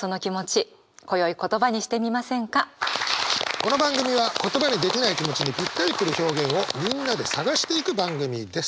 この番組は言葉にできない気持ちにぴったりくる表現をみんなで探していく番組です。